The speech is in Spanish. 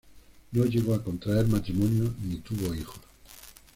No llegó a contraer matrimonio ni tuvo hijos.